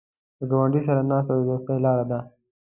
د ګاونډي سره ناسته د دوستۍ لاره ده